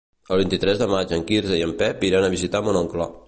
El vint-i-tres de maig en Quirze i en Pep iran a visitar mon oncle.